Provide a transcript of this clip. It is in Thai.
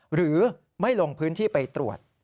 หรือไม่ลงพื้นที่ไปตรวจ